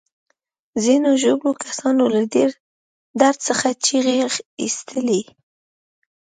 ځینو ژوبلو کسانو له ډیر درد څخه چیغې ایستلې.